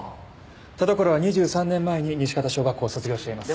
田所は２３年前に西潟小学校を卒業しています。